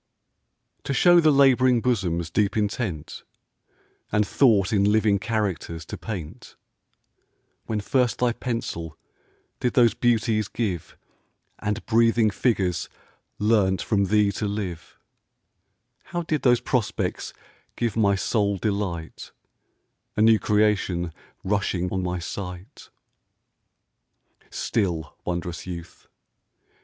TO show the lab'ring bosom's deep intent, And thought in living characters to paint, When first thy pencil did those beauties give, And breathing figures learnt from thee to live, How did those prospects give my soul delight, A new creation rushing on my sight? Still, wond'rous youth!